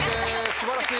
素晴らしい！